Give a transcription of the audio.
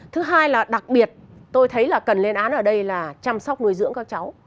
thứ hai là đặc biệt tôi thấy là cần lên án ở đây là chăm sóc nuôi dưỡng các cháu